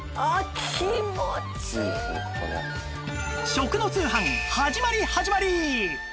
食の通販始まり始まり！